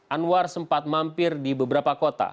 anwar sempat mampir di beberapa kota